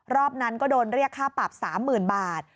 รอบนั้นก็โดนเรียกค่าปรับ๓๐๐๐บาท